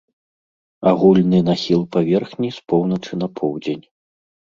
Агульны нахіл паверхні з поўначы на поўдзень.